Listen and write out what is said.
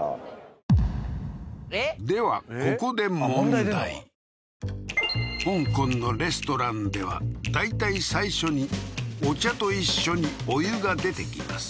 ではここで香港のレストランでは大体最初にお茶と一緒にお湯が出てきます